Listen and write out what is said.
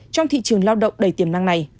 trong thị trường lao động đầy tiềm năng này